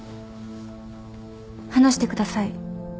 話してください。